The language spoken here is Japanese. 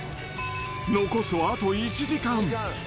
残すはあと１時間。